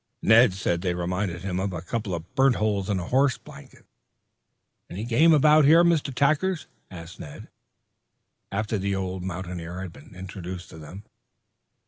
Ned said they reminded him of a couple of burnt holes in a horse blanket. "Any game about here, Mr. Tackers?" asked Ned after the old mountaineer had been introduced to them.